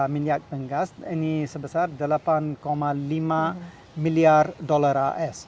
minyak gas ini sebesar delapan lima miliar dolar as